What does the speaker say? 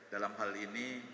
dalam hal ini